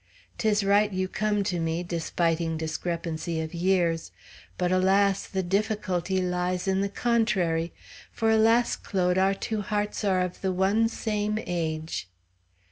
'Tis right you come to me, despiting discrepancy of years; but alas! the dif_fic_ulty lies in the con_tra_ry; for alas! Claude, our two heart' are of the one, same age!"